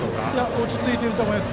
落ち着いていると思います。